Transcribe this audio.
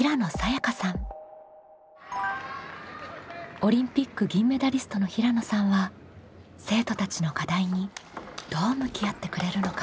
オリンピック銀メダリストの平野さんは生徒たちの課題にどう向き合ってくれるのか？